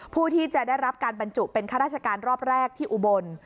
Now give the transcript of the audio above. ผู้ที่จะได้รับการบรรจุเป็นข้าราชการรอบแรกที่อุบล